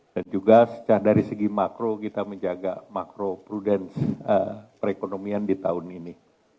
juga dari segi makro kita menjaga makro prudence perekonomian di tahun ini